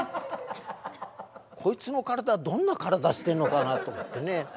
こいつの体どんな体してんのかなと思ってね。